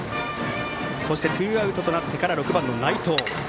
そして、ツーアウトとなってから６番の内藤。